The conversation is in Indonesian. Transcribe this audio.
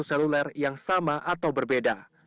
seluler yang sama atau berbeda